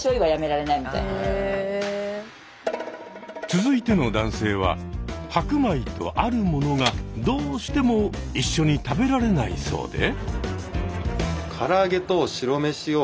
続いての男性は白米とあるものがどうしても一緒に食べられないそうで。